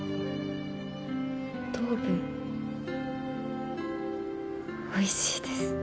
糖分おいしいです。